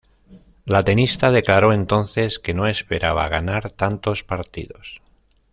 La tenista declaró entonces que no esperaba ganar tantos partidos.